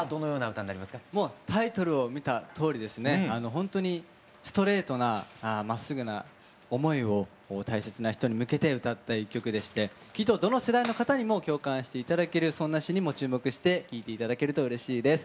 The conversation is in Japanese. ほんとにストレートなまっすぐな思いを大切な人に向けて歌った１曲でしてきっとどの世代の方にも共感して頂けるそんな詞にも注目して聴いて頂けるとうれしいです。